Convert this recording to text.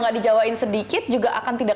nggak dijawain sedikit juga akan tidak